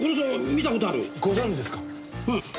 うん。